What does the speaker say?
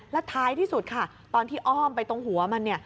แล้วท้ายที่สุดค่ะตอนที่อ้อมไปตรงหัวมันเนี่ย